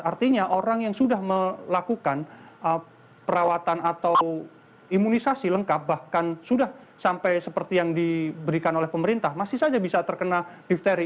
artinya orang yang sudah melakukan perawatan atau imunisasi lengkap bahkan sudah sampai seperti yang diberikan oleh pemerintah masih saja bisa terkena difteri